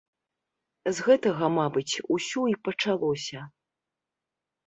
З гэтага, мабыць, усё і пачалося.